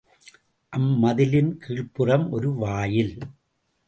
அம்மதிலின் கீழ்புறம் ஒரு வாயில்.